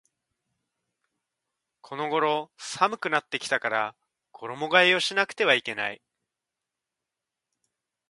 この頃寒くなってきたから衣替えをしなくてはいけない